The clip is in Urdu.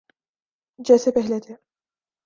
جیسے پہلے تھے۔